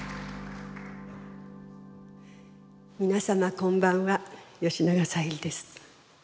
皆様こんばんは吉永小百合です。